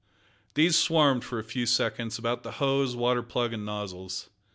These swarmed, for a few seconds, about the hose, water plug, and nozzles.